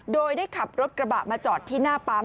โดยได้ขับรถกระบะมาจอดที่หน้าปั๊ม